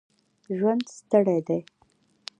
ژوند ستړی دی